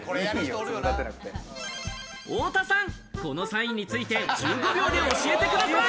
太田さん、このサインについて１５秒で教えてください。